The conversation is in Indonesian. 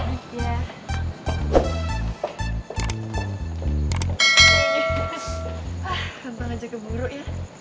gampang aja keburu ya